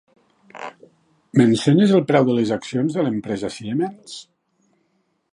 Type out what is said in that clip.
M'ensenyes el preu de les accions de l'empresa Siemens?